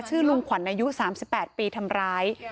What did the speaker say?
ลุงขวัญอายุ๓๘ปีทำร้าย